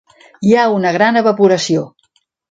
Hi ha una gran evaporació.